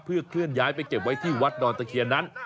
เพื่อเคลื่อนย้ายไปเก็บไว้ที่วัดดอนตะเคียนนั้น